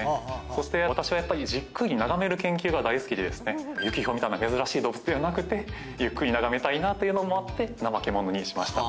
そして私はやっぱり、じっくり眺める研究が大好きで、ユキヒョウみたいな珍しい動物ではなくて、ゆっくり眺めたいなというのもあって、ナマケモノにしました。